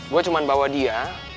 gue cuma bawa dia